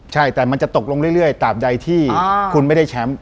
ใช่แต่มันจะตกลงเรื่อยตามใดที่คุณไม่ได้แชมป์